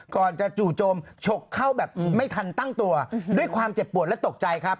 ก่อนจะจู่โจมฉกเข้าแบบไม่ทันตั้งตัวด้วยความเจ็บปวดและตกใจครับ